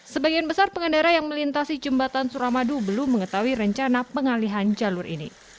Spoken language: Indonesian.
sebagian besar pengendara yang melintasi jembatan suramadu belum mengetahui rencana pengalihan jalur ini